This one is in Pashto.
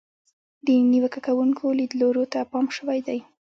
د نیوکه کوونکو لیدلورو ته پام شوی دی.